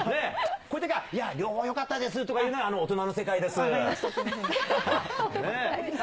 こういうときは、いや、両方よかったですとか言うのがね、大人の世界です。